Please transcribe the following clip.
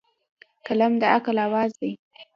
قلم د عقل اواز دی.